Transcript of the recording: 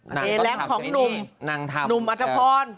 หนุ่มอัทภรณ์